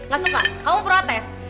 gak suka kamu protes